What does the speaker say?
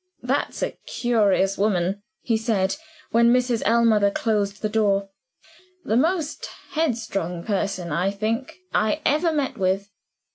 "That's a curious woman," he said, when Mrs. Ellmother closed the door; "the most headstrong person, I think, I ever met with.